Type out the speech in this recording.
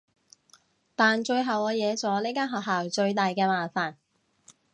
但最後我惹咗呢間學校最大嘅麻煩